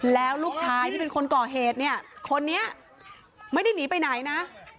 แล้วลูกชายที่เป็นคนก่อเหตุเนี่ยคนนี้ไม่ได้หนีไปไหนนะ